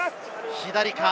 左か？